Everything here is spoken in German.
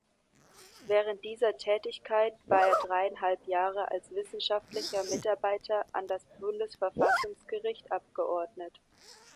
Während dieser Tätigkeit war er dreieinhalb Jahre als wissenschaftlicher Mitarbeiter an das Bundesverfassungsgericht abgeordnet.